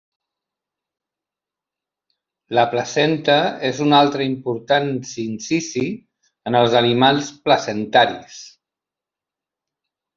La placenta és un altre important sincici en els animals placentaris.